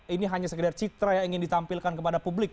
ini hanya sekedar citra yang ingin ditampilkan kepada publik